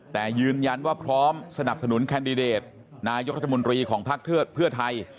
แต่ยืนยันว่าพร้อมสนับสนุนแคนดิเดตนายกรัฐมนตรีของภักดิ์เพื่อไทย